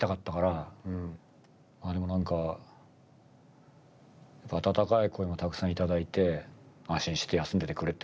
まあでも何か温かい声もたくさん頂いて安心して休んでてくれって。